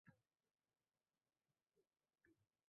U bitta piyola yasabdi